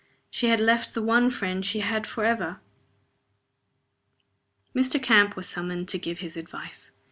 She had left the one friend she had forever!) Mr. Camp was summoned to give his advice.